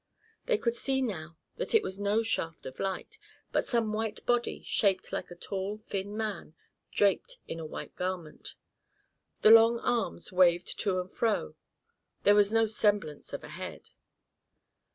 They could see now that it was no shaft of light, but some white body, shaped like a tall, thin man, draped in a white garment. The long arms waved to and fro. There was no semblance of a head.